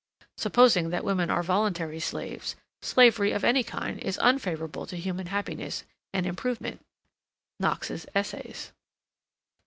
('Supposing that women are voluntary slaves slavery of any kind is unfavourable to human happiness and improvement.' 'Knox's Essays'.)